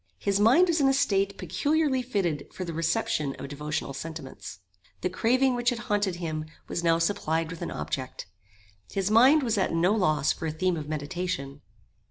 His mind was in a state peculiarly fitted for the reception of devotional sentiments. The craving which had haunted him was now supplied with an object. His mind was at no loss for a theme of meditation.